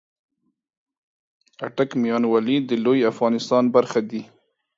آټک ، ميان والي د لويې افغانستان برخه دې